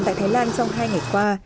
tại thái lan trong hai ngày qua